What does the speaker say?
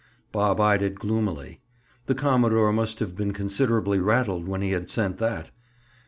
Bob eyed it gloomily. The commodore must have been considerably rattled when he had sent that.